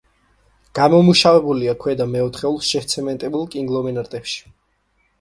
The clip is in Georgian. გამომუშავებულია ქვედა მეოთხეულ შეცემენტებულ კონგლომერატებში.